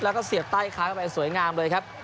แล้วก็เสียบใต้ค้างเข้าไปสวยงามเลยครับ